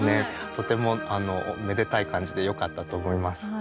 とてもめでたい感じでよかったと思います。